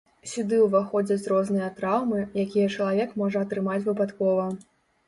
Сюды ўваходзяць розныя траўмы, якія чалавек можа атрымаць выпадкова.